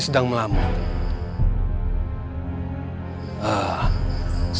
mengapa tuan sakti